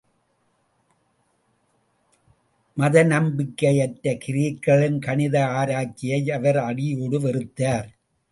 மத நம்பிக்கையற்ற கிரேக்கர்களின் கணித ஆராய்ச்சியை அவர் அடியோடு வெறுத்தார்.